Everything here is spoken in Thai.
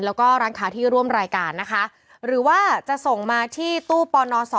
แล้วก็ร้านค้าที่ร่วมรายการนะคะหรือว่าจะส่งมาที่ตู้ปน๒